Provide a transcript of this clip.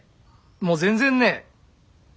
もう全然ねえ。